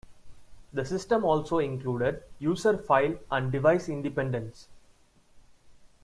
The system also included User file and Device independence.